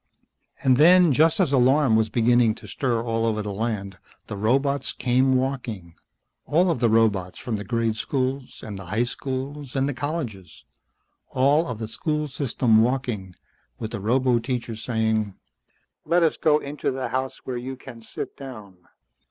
And then, just as alarm was beginning to stir all over the land, the robots came walking, all of the robots from the grade schools, and the high schools, and the colleges. All of the school system walking, with the roboteachers saying, "Let us go into the house where you can sit down."